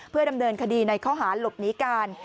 เพื่อดำเนินคดีในข้อหาหลบหนีการ